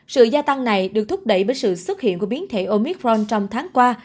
sự gia tăng này được thúc đẩy bởi sự xuất hiện của biến thể omicron trong tháng qua